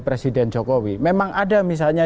presiden jokowi memang ada misalnya